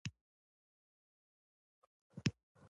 هغه دوه تنه ملایکې وې.